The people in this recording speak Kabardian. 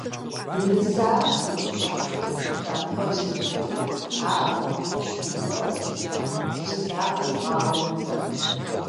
НысащӀэм и щхьэтепхъуэр трапхъуэтын ипэкӀэ ар бгыкъу гуэрым и лъабжьэм щӀагъэувэрт.